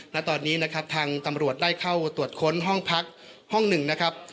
ณตอนนี้นะครับทางตำรวจได้เข้าตรวจค้นห้องพักห้องหนึ่งนะครับ